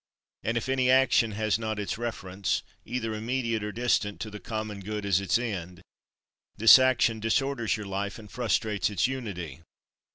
And if any action has not its reference, either immediate or distant, to the common good as its end, this action disorders your life and frustrates its unity.